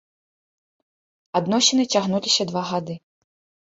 Адносіны цягнуліся два гады.